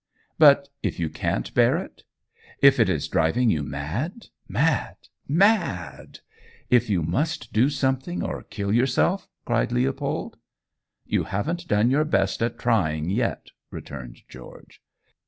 "But if you can't bear it? If it is driving you mad mad mad? If you must do something or kill yourself?" cried Leopold. "You haven't done your best at trying yet," returned George.